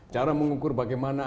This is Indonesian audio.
cara mengukur bagaimana